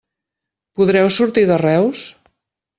Podreu sortir de Reus?